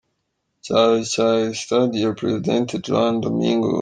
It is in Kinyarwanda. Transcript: cyayo cya Estadio Presidente Juan Domingo